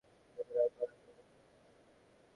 সে কোনোমতেই ঘরে প্রবেশ করিতে পারিল না।